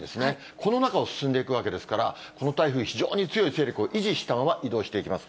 この中を進んでいくわけですから、この台風、非常に強い勢力を維持したまま移動していきます。